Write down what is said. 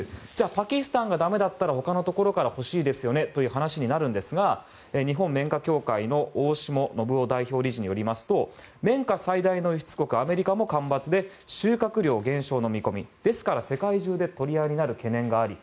パキスタンがだめだったら他のところから欲しいですよねという話になるんですが日本綿花協会の大下信雄代表理事によりますと綿花最大の輸出国アメリカも干ばつで収穫量減少の見込みなので世界中で取り合いになる懸念がある。